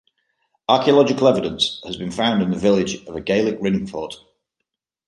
Archaeological evidence has been found in the village of a Gaelic ringfort.